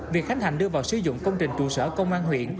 việc khánh hành đưa vào sử dụng công trình trụ sở công an huyện